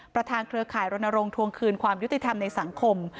เครือข่ายรณรงค์ทวงคืนความยุติธรรมในสังคม